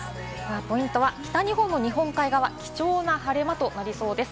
ポイントは北日本の日本海側は貴重な晴れ間となりそうです。